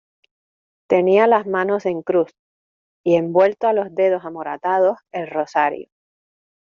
tenía las manos en cruz, y envuelto a los dedos amoratados el rosario.